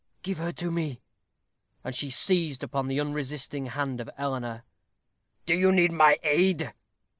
Give her to me." And she seized upon the unresisting hand of Eleanor. "Do you need my aid?"